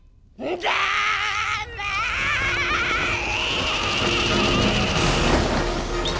だまれー！